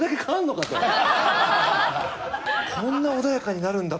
こんな穏やかになるんだ！